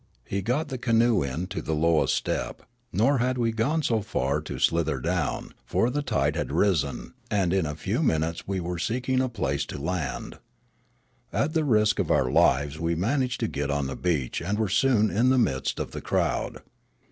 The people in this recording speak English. He got the canoe in to the lowest step ; nor had we so far to slither down ; for the tide had 278 Riallaro risen; and in a few minutes we were seeking a place to land. At the risk of our lives we managed to get on the beach and were soon in the midst of the crowd.